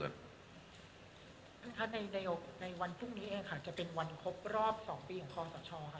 ท่านคะในวันพรุ่งนี้เองค่ะจะเป็นวันครบรอบ๒ปีของคอสชค่ะ